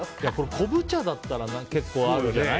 昆布茶だったら結構あるじゃない。